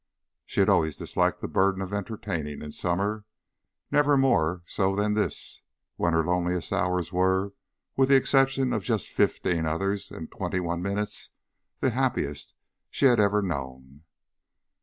She had always disliked the burden of entertaining in summer, never more so than during this, when her loneliest hours were, with the exception of just fifteen others and twenty one minutes, the happiest she ever had known.